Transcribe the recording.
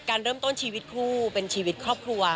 การเริ่มต้นชีวิตคู่เป็นชีวิตครอบครัว